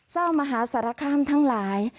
สวรรค์มหาศาลคามทั้งหลาย